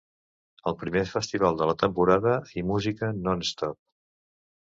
El primer festival de la temporada i música ‘non stop’